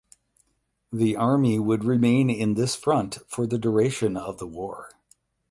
The Army would remain in this Front for the duration of the war.